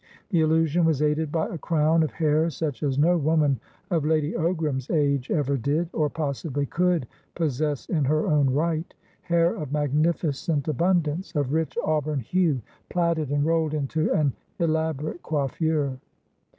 The illusion was aided by a crown of hair such as no woman of Lady Ogram's age ever did, or possibly could, possess in her own right; hair of magnificent abundance, of rich auburn hue, plaited and rolled into an elaborate coiffure.